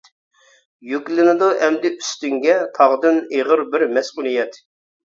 يۈكلىنىدۇ ئەمدى ئۈستۈڭگە، تاغدىن ئېغىر بىر مەسئۇلىيەت.